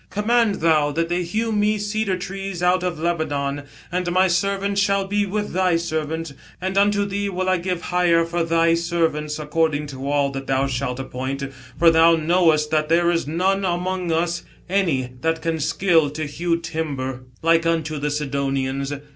. Command thou that they hew me cedar trees out of Lebanon ; and my servants shall be with thy servants : and unto thee will I give hire for thy servants according to all that thou shalt appoint : for thou knowest that there is not among us any that can skill to hew timber like unto the Sidonians.